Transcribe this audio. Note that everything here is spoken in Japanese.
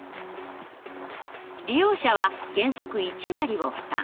利用者は原則１割を負担。